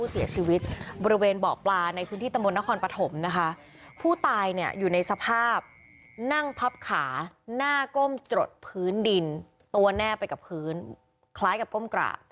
เสียชีวิตบริเวณเบาะปลาในพื้นที่ตำบลนครปฐมนะคะผู้ตายเนี่ยอยู่ในสภาพนั่งพับขาหน้าก้มจดพื้นดินตัวแน่ไปกับพื้นคล้ายกับก้มกระ